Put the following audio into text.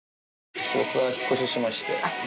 ちょっと引っ越ししまして。